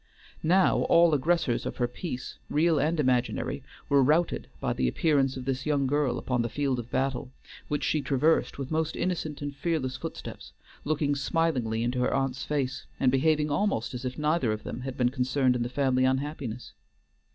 Now all aggressors of her peace, real and imaginary, were routed by the appearance of this young girl upon the field of battle, which she traversed with most innocent and fearless footsteps, looking smilingly into her aunt's face, and behaving almost as if neither of them had been concerned in the family unhappiness.